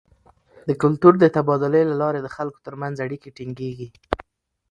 د کلتور د تبادلې له لارې د خلکو تر منځ اړیکې ټینګیږي.